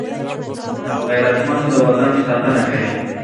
غیرتمند د وطن ساتنه کوي